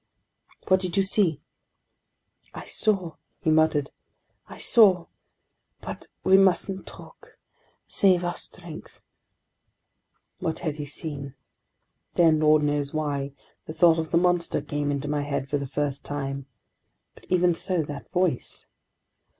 "What did you see?" "I saw ...," he muttered, "I saw ... but we mustn't talk ... save our strength ...!" What had he seen? Then, lord knows why, the thought of the monster came into my head for the first time ...! But even so, that voice